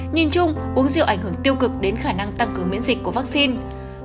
nhìn chung uống rượu ảnh hưởng tiêu cực đến khả năng tăng cường miễn dịch của vaccine